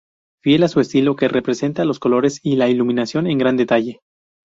Fiel a su estilo, que representa los colores y la iluminación en gran detalle.